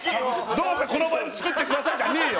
「どうかこのバイブ作ってください」じゃねえよ！